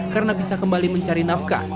karena bisa kembali mencari nafkah